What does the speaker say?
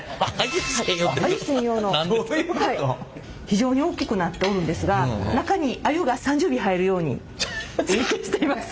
非常に大きくなっておるんですが中にアユが３０尾入るように設計しています。